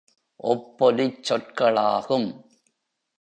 ஒப்பொலிச் சொற்களாகும்.